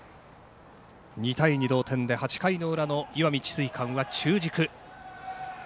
２対２同点で８回の裏の石見智翠館は中軸。